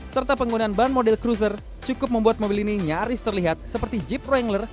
serta penggunaan ban model cruiser cukup membuat mobil ini nyaris terlihat seperti jeep wrongler